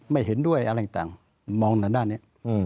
ไม่เห็นด้วยอะไรต่างมองละด้านเนี้ยอืม